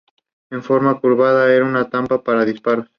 Es conocido como el "Caballero de la Lealtad".